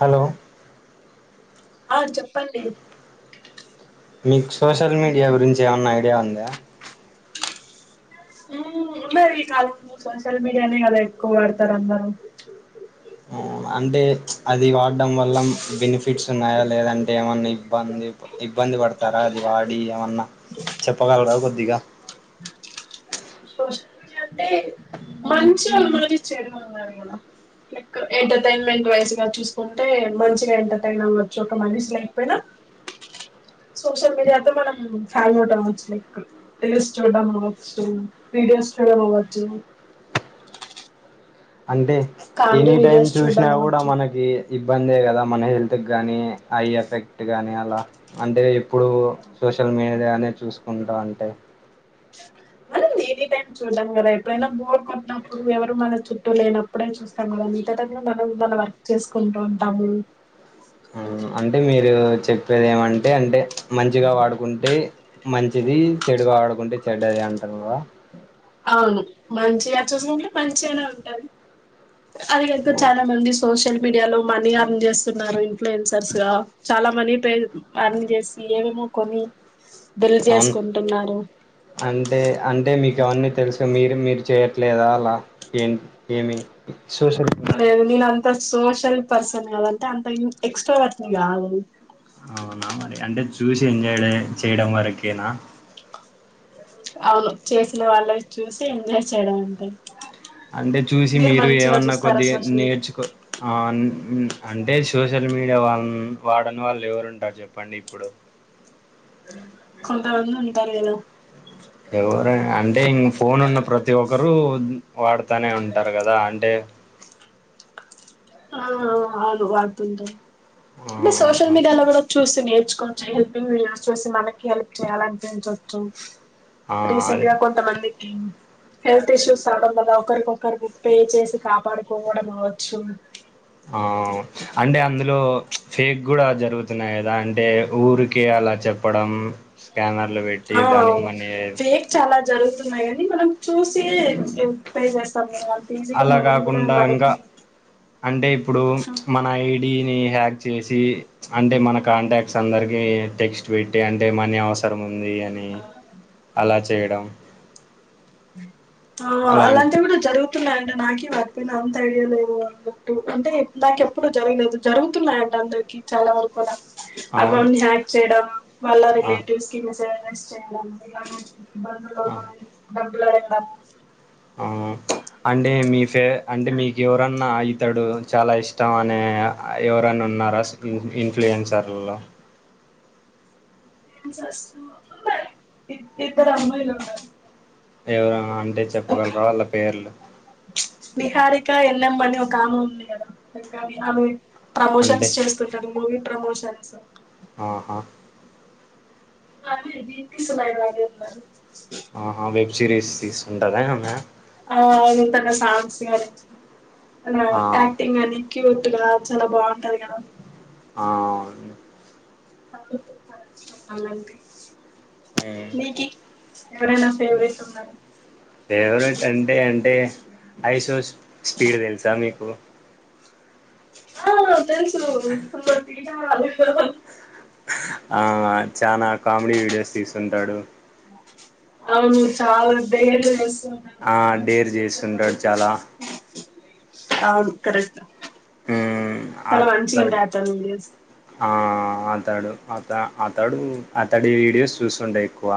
Hello ఆ చెప్పండి మీకు సోషల్ మీడియా గురించి ఏమన్నా ఐడియా ఉందా ఉందండి మరి ఈ కాలంలో సోషల్ మీడియానే కదా ఎక్కువ వాడతారు అందరూ ఆ, అంటే అది వాడడం వల్ల బెనిఫిట్ బెనిఫిట్స్ ఉన్నాయా లేదంటే ఏమన్నా ఇబ్బంది ఇబ్బంది పడతారా అది వాడి ఏమన్నా చెప్పగలరా కొద్దిగా సోషల్ మీడియా అంటే మంచిగా ఆ మిమ్మల్ని కదా లైక్ ఎంటర్టైన్మెంట్ వైజ్ గా మంచిగా ఎంటర్టైన్ అవ్వచ్చు ఒక మనిషి లేకపోయినా సోషల్ మీడియాతో మనం ఫాలో అవ్వచ్చు లైక్ రీల్స్ చూడడం అవచ్చు వీడియోస్ చూడడం అవచ్చు అంటే ఎనీ టైం చూసినా చూడడం కూడా అవ్వచ్చు మనకి ఇబ్బందే కదా మన హెల్త్కి కానీ ఐ ఎఫెక్ట్ కానీ అలా అంటే ఎప్పుడూ సోషల్ మీడియా దగానే చూసుకుంటా అంటే చూద్దాం కదా ఎప్పుడైనా బోర్ కొట్నప్పుడు ఎవరు మన చుట్టూ లేనప్పుడే చూస్తాం కదా మిగడ మనం మన వర్క్ చేసుకుంటూ ఉంటాము అంటే మీరు చెప్ చెప్పద ఏమంటే అంటే మంచిగా వాడుకుంటే మంచిది చెడుగా ఆడుకుంటే చెడు అది అంటారు అవును మంచిగా చసుకుంటే మంచిగానే ఉంటారు అదిగనుక చాలా అవును మంది సోషల్ మీడియాలో మనీ అర్ని చేస్తున్నారు ఇన్ఫ్లుయన్సర్స్ గా చాలా మనీ పే అర్ని చేసి ఏమేమో కొని బలి చేసుకుంటున్నారు అంటే అంటే మీకు అవన్నీ తెలుసు మీరు మీరు చేయట్లేదా అలా ఏం ఏమి సోషల్ మీడియాలో లేదు నేను అంత సోషల్ పర్సన్ కాదంటే అంత ఎక్స్ట్రా వాట్ కాదు అండి అవునా మరి అంటే చూసి ఎంజాయ్ చేయడం వరకేనా అవును చేసిన వాళ్ళ చూసి ఎంజాయ్ చేయడం అంతే అంటే చూసి మీరు మంచిగా ఏమన్నా చూస్తారా కొద్దిగా సోషల్ నేర్చుకో అంటే సోషల్ మీడియా వాళ్ళ వాడని వాళ్ళు ఎవరు ఉంటారు చెప్పండి ఇప్పుడు కొంత మంది ఉంటారు కదా ఎవరు అంట అంటే ఇం ఫోన్ ఉన్న ప్రతి ఒక్కరుూ వాడుతానే ఉంటారు కదా అంటే ఆ అను వాడుతూ వుంటారు ఇ సోసిల్ ఆ మీడియాలో బ చూస్తు హెల్పింగ్స్ చూసి మనకి హెల్ప్ చేయాలనిపించవచ్చు ఆ అదే రీసెంట్గా కొంతమందికి హెల్త్ ఇష్యూస్ రావడం వాళ్ళ ఒకరికొకరు ముప్పే చేసి కాపాడుకోవడం అవచ్చు అంటే అందులో ఫేక్ కూడా జరుగుతున్నాయి కదా అంటే ఊరికే అలా చెప్పడం స్కానర్లు పెట్టి ఆ దానికి అవును మనీ ఫేక్ చాలా జరుగుతున్నాయి అని మనం చూసి పే చేస్తాం అంత ఈజీగా అలా మనం కూడా కాకుండా ఇంకా మనకి అంటే ఇప్పుడు మన ఐ ీని హ్యాక్ చేసి అంటే మన కాంటాక్ట్స్ అందరికి టెక్స్ట్ పెట్టి అంటే మనీ అవసరం ఉంది అని అలా చేయడం ఆ అలాంటి అలాంటివి కూడా జరుగు న్నాయండి నాక వారిపోయిన అంత ఐడియా లేవు అన్నట్టు అంటే నాక ఎప్పుడుూ జరగలేదు జరుగుతున్నాయండి అందరికి చాలా వరకు అలా అవును అకౌంట్ ని హయాక్ట్ చేయడం వాళ్ళ ఆ రిలేటివ్స్ కి మెసజ్ బంద ఆ కాయి అంటే మీ ఫే అంటే మీకు ఎవరన్నా ఇతడు చాలా ఇష్టం అనే ఎవరన్నా ఉన్నారా ఇన్ఫ్లుయెన్సర్లో ఇన్ఫ్లుయెన్స్ లో ఉన్నారు ఇద్దరు అమ్మాయిలు ఉన్నారు ఎవరా అ అంటే చెప్పగలరా వాళ్ళ పేర్లు ఇంకా ఎన్నఎంబని ఒక ఆమె ఉంది కదానీ ఆమె అంటే ప్రమోషన్స్ చేస్తుంటది మూవీ ప్రమోషన్ చ ఆహా love easy it's my love you ఆహా వెబ్ సిరీస్ తీస్తుంటదా ఆమె ఆ ఇంతగ సాంగ్స్ గానీ ఆ ఆక్టింగ్ అనీ క్యూట్ గా చాలా బాంటది కదా అవును అవునండి ఉమ్. మీకి ఫేవరెట్ అంటే అంటే ఐసో స్పీడ్ తెలుసా మీకు ఆ తె ఆ చానా కామెడీ వీడియోస్ తీస్తుంటాడు అవును చాల డేర్లు చేస్తుంటాడు ఆ డేర్ చేస్తుంటాడు చాలా [inaudible] అవును కరస్ట్ మ్మ్ చాలా మంచిగుంటై అతడు అతని వీడియోస్ అతడు అత అతడు అతడి వీడియోస్ చూస్తుంటా ఎక్కువ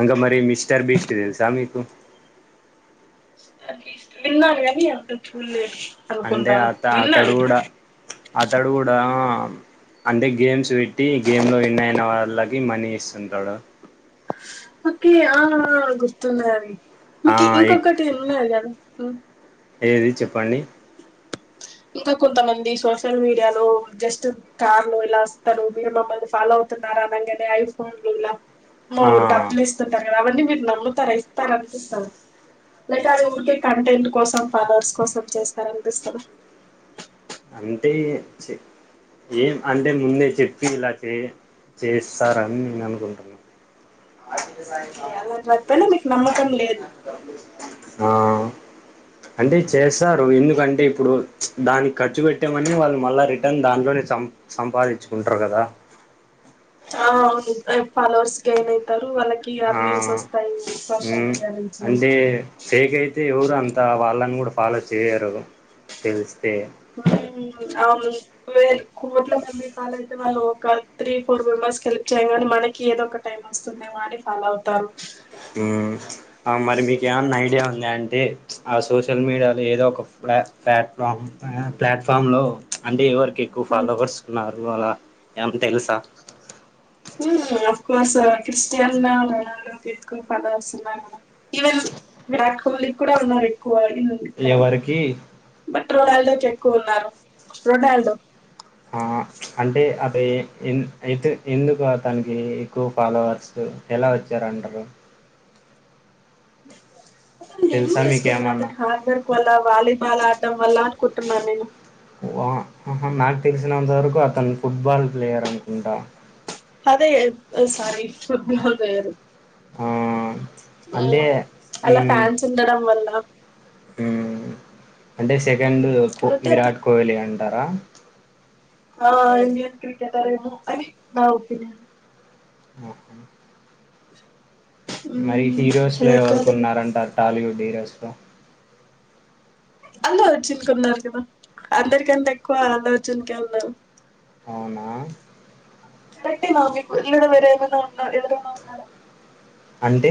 అంగ మరి మిస్టర్ బీస్ట్ చేసా మీకు తిన్నాన్ గానీ అంత చూల్లేదు అందే అత అతడు కూడా అతడు కూడా ఆ అంటే గేమ్స్ పెట్టి గేమ్ లో విన్ అయిన వాళ్ళ కి మనీ ఇస్తుంటాడ ఓకే ఆ గుర్తున్నది ఆ మికి ఇంకొక్కటి ఉన్నది కదా అ ఏది చెప్పండి ఇంకా కొంతమంది సోషల్ మీడియాలో జస్ట్ కార్ లో ఇలా వస్తారు మీరు మమల్ని ఫాలో అవుతున్నారా అనంగానే ఐఫోన్లు ఇలా అమ్మో ఆ డబ్బులిస్తుంటాడు ఏవండి మీరు నమ్ముతార ఇస్తార అనిపిస్తా లేక అవి ఉంటే కంటెంట్ కోసం ఫాలోవర్స్ కోసం చేస్తార అనిపిస్తది అంటే ఏం అంటే ముందే చెప్పి ఇలా చే చేస్తారని నేను అనుకుంటున్నా ఓకే అలాంటి వాటిపైన మీకు నమ్మకం లేదు ఆ అంటే చేస్తారు ఎందుకంటే ఇప్పుడు దానికి ఖర్చు పెట్టామని వాళ్ళు మళ్ళా రిటర్న్ దాంట్లోనే సం సంపాదించుకుంటారు కదా ఆ అవును ఫాలోవర్స్గా ఏనైతారు సోషల్ మీడియా నుంచి అంటే ఫేక్ అయితే ఎవరు అంత వాళ్ళని కూడా ఫాలో చేయరు తెలిస్తే కోర్ల మంపాల అయితే మనం ఒక త్రీ ఫోర్ మెంబర్స్ హెల్ప్ చేయ కానీ మనకి ఏదో ఒక టైం వస్తుందేమో అని ఫాలో అవుతారు మరి మీకు ఏమన్నా ఐడియా ఉంది అంటే ఆ సోషల్ మీడియాలో ఏదో ఒక ప్లా ప్లాట్ఫామ్ ప్లాట్ఫామ్లో అంటే ఎవరి ఎక్కువ ఫాలోవర్స్ ఉన్నారు అవాల ఏంత తెలుసా హమ్ ఆఫ్ కోర్స్ క్రిస్టియన్ ఎకో పద వస్తున్నా ఈవెలా విరాట్ కోహ్లీ కూడా ఉన్నారు డిక్క ఎవరికి రొనాల్డో క ఎక్కువ ఉన్నారు రొనాల్డో అంటే అది ఎ ఎందుకుతనికి ఎక్కువ ఫాలోవర్స్ ఎలా వచ్చారు అన్నారురు బ అ నిం తెలుసా ఇసుకుద మీకేమన్నా అతను హార్డ్ వర్క్ వల్లా వాల బలా ఆడటం వల్ల అనుకుంటున్నాను నేను మ్యాక్ తెలిసినంత వరకు అతను ఫుట్బాల్ ప్లేయర్ అనుకుంటా అదే సారీ పూ ఫుగారు ఆ అంటే అలా ఫ్యాన్స్ ఉండడం వాళ్ళ హమ్ అంటే కెండ్ కాబట్టి అత విరాట్ కోహ్లీలి అండి తరా ఆ ఎంజేస్తుంటదో ఎమొ అని నా ఒపీనియన్ మొహం మరి మ్మ్ హీరోస్ లో విరాట్ కోహ్లీ ఎవరుకున్నారంటారు టాలీవుడ్ హిరోస్ లో అల్లు అర్జున్ కు ఉన్నారు కదా అందరికంటే ఎక్కువ అల్లు అర్జున్ కే ఉన్నారు అవునా పెట్టేవాల్ మీకు లేదా వేరే ఎవన్నా ఉన్నారేవరన్నా ఉన్నారా అంటే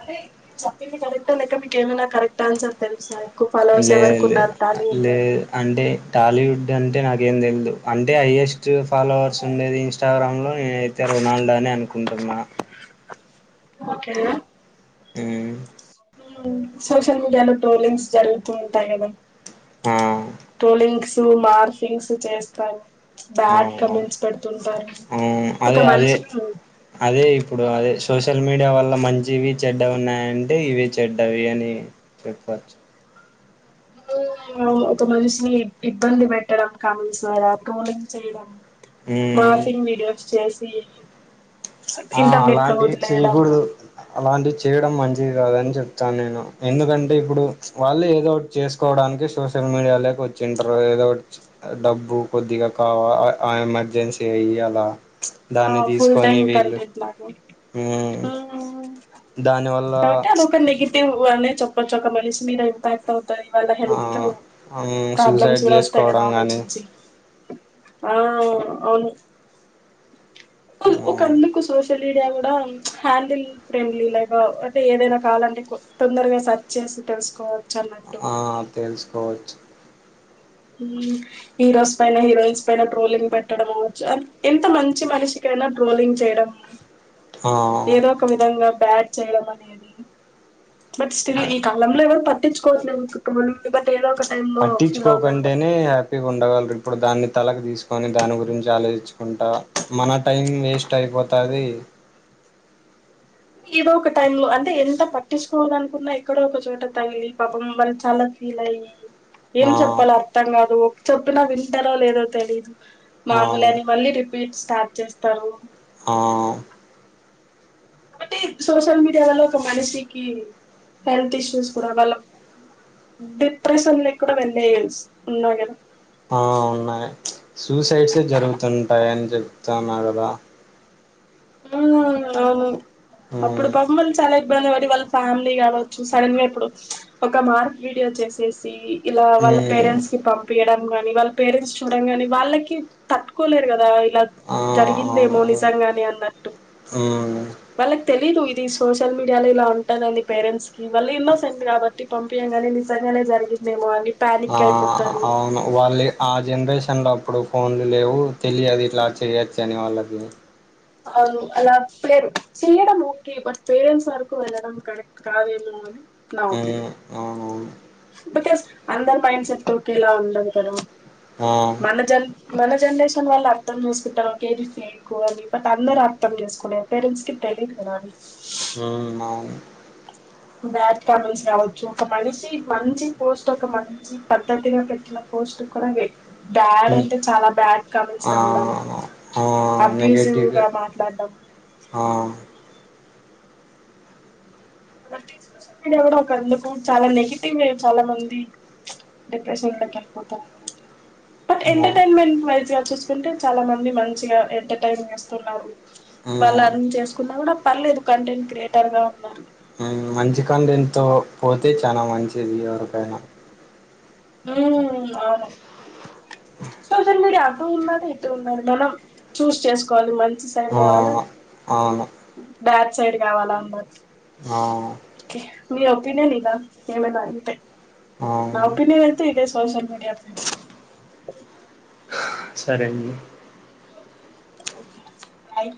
అదే చెప్పింది కరెక్టో లేక మీకు ఏమైనా కరెక్ట్ ఆన్సర్ తెలుసా ఎక్కువ ఫాలోవర్స్ లేద్ ఎవరికి లే ఉన్నారు టాలీవుడ్ లో లేదు అంటే టాలీవుడ్ అంటే నాక్ ఏందేందో అంటే హయ్యెస్ట్ ఫాలోవర్స్ ఉండేది ఇన్స్టాగ్రామ్లో నేనైతే రొనాల్డ్ అని అనుకుంటున్నా. ఓకే ఉమ్మ్ మ్మ్ సోషల్ మీడియాలో ట్రోలింగ్స్ జరుగుతూ ఉంటాయి గదా ఆ ట్రోలింగ్స్ టు మార్సింగ్స్ చేస్తారు. బ్యాడ్ అవును కమెంట్స్ పెడుతుంటారు ఆ అవున్, ఒక అదే అదే మనిషిని అదే ఇప్పుడు, అదేశ్ సోషల్ మీడియా వల్ల, మంచివి చెడ్డవి ఉన్నాయంటే, ఇవే చెడ్డవి అని చెప్పచ్చు. అవునవును ఒక మనిషిని ఇబ్ ఇబ్బంది, పెట్టడం కామెంట్స్ ద్వారా ట్రోలింగ్ చేయడం. మ్మ్ మార్ఫింగ్ వీడియోస్ చేస్ పేర్లు ప్చ్ ఆ అలాంటివి చేయ్యకూడుదు, అలాంటివి చేయడం మంచిది కాదని చెప్తాను. నేను ఎందుకంటే ఇప్పుడు ప్చ్ వాళ్ళే ఏదో ఒకటి చేసుకోవడానికి, సోషల్ మీడియాలోకి వచ్చింటర్, ఏదో ఒకటి ప్చ్ డబ్బు కొద్దిగా కావా ఆ ఎమర్జెన్సీ ఇయల్లా ప్చ్ ఆ దాన్ని ఫుల్ తీసుకొని టైమ్ మ్మ్ కాబట్టి వీళ్ళు ఎట్లాగోమ్ మ్మ్ హ్మ్మ్ దానివల్ల కాబట్టి, అది ఒక నేగిటివ్ ఇవన్ని చెప్పచ్చు, ఒక మనిషి మీద ఇంపాక్ట్ అవ్ చ ఇవాళ ఆ హెల్త్ ఉమ్, ప్రాబ్లమ్స్ సూసైడ్ కూడా వస్తాయి. కదా చేసుకోవడం కానీ ఆలోచించి ఆ అవు అవును కొంద్ ఆ ఒకందుకు సోషల్ మీడియా కూడా ప్చ్ హ్యాండిల్, ఫ్రెండ్లీలాగా అంటే ఏదైనా కావాలంటే, ఎక్కువ్ తొందరగా సర్చ్ చేసి తెలుసుకోవాల్ ఆ తెలుసుకోవచ్చు. హ్మ్ హీరోస్ పైన, హీరోయిన్స్ పైన, ట్రోలింగ్ పెట్టడము. చార్లి ఎంత మంచి మనిషికైనా ట్రోలింగ్ చేయడం. ఏదో ఆ ఒక విధంగా బ్యాడ్ చేయడం. అనేది ప్చ్ బట్ స్టిల్ ఈ కాలంలో, ఎవరు పట్ పట్టించుకోతున్నాం, కుటుంబన్న్ ప్చ్ పట్టించుకోకంటేనే హ్యాపీగా ఉండగలరు. ఇప్పుడు దాన్ని తలక్ తీసుకొని దాని, గురించి ఆలోచించుకుంటా ప్చ్ మన టైం వేస్ట్ అయిపోతది. ఏదో ఒక టైమ్ లో అంటే ఎంత పట్టించుకోవాలనుకున్నా, ఎక్కడో ఒక చోట తగిలి పాపం, వాళ్లు చాలా ఫీల్ అయ్యి ప్చ్ ఏం ఆ చెప్పాల అర్థం కాదు. చెప్పునా వింటార లేదో తెలీదు. ఆ మామూలేని మళ్ళీ రీప్ పీట్స్, స్టార్ట్ చేస్తారు. ఆ కాబట్టి సోషల్ మీడియా వల్ల, ఒక మనిషికి హెల్త్ ఇష్యూస్, కూడా వాళ్ళక్ హ్మ్ డిప్రెషన్లు ఎక్కువగా వెళ్ళే ఎల్స్ ఉన్నారు. కదా ఆ ఉన్నాయి. ప్చ్ సూసైడ్స్ జరుగుతుంటాయి. అని జేప్తన్నారు. కదా హ్మ్ అవును ప్చ్ అప్పుడు, మ్మ్ బొమ్మలు చాలేక్ ఇబ్బంది పడి వాళ్ళ ఫ్యామిలీ కావచ్చు. సడన్ గా ఇప్పుడు ప్చ్, ఒక మార్క్ వీడియో చేసేసి ఇలా వాళ్ళ మ్మ్ పేరెంట్స్ కి పంపియడంనికి కాని వాళ్ళ పేరెంట్స్ చూడడం గానీ వాళ్ళకి తట్టుకోలేరు కదా ఇలా జరిగిందేమో నిజంగానే అన్న అ తెలీదు ఇది సోషల్ మీడియాలో ఇలా ఉంటాందని పేరెంట్స్ కి వాళ్ల ఎన్నో సంది కాబట్టి పంపించం కాగానీ నిజంగానే జరిగిందేమో అని ఆ ప్యానిక్ అయిపోతారు అవును వాళ్ళ ఆ జనరేషన్ లో ఇప్పుడు ఫోన్లు లేవు తెలియదు ఇట్లా చెయొచ్చు అని వాళ్ళకి అగే అవును అలా పరు చేయడం ఓకే బట్ పేరెంట్స్ వరకు వెళ్ళడం కరెక్ట్ కాదేమో అని నా అవును ఒపీనియన్ అవునవును బికాస్ అందరి పైన్ సట్ కేలా ఉంటది పె ఆ మనజన్ మన జనరేషన్ వాల్ల అర్ం చూసుకుంటారు ఒకకది ఫంకు అది బట్ అందరు అర్థం చేసుకునే పేరెంట్స్ కి తెలియ కదాలి హ్మ్ అవును బ్యాట్ కామెంస్ కావచ్చు ఒక మనిషి మంచి పోస్ట్ ఒక మంచి పద్ధతిగా పెట్టిన పోస్ట్ కూడా బ్యాడ్ హ్మ్ అంటే చాలా బ్యాడ్ కామెంట్స్ ఆ రావడం ఆ అబ్యూసివ్ నెగటివ్ గా మాట్లాడడం ఆ కాబటి సోషల్ మీడియా కూడా ఒక అందుకు చాలా నెగిటివ్ చాలా మంది డిప్రెషన్ లోకి వెళ్ళిపోతారు అకో ప ఎంటర్టెన్మెంట్ వైజ చూసుకుంటే చాలా మంది మంచిగా ఎంటర్టైన్ చేస్తున్నారు వాళ్ళు హ్మ్ ఎర్న్ చేసుకున్నా కూడా పర్లేదు కంటెంట్ క్రియేటర్ గా ఉన్నారు మంచి కండ ఎంతో పోతే చాల మంచిది ఎవరికైనా హ అను సోషల్ మీడియా అటు ఉన్నాడు ఇటు ఉన్నాది మనం చూస్ చేసుకోవాలి మంచి ఆ ఆ బ్యాక్ సైడ్ కావాలా అన్నారురు ఆ మీ ఒపినయన్ ఇద నేమెల అయితే అవును ఇదే సోషల్ మీడియా సరే అండి ఓకే బయ్